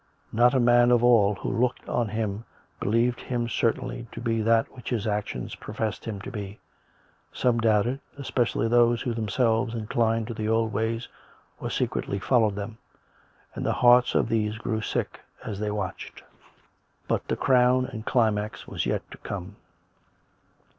Not a man of all who looked on him believed him certainly to be that which his actions professed him to be; some doubted, especially those who themselves inclined to the old ways or secretly followed them; and the hearts of these grew sick as they watched. But the crown and climax was yet to come.